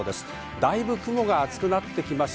だいぶ雲が厚くなってきました。